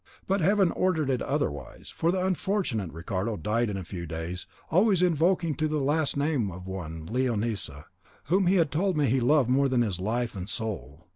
But heaven ordered it otherwise; for the unfortunate Ricardo died in a few days, always invoking to the last the name of one Leonisa, whom he had told me he loved more than his life and soul.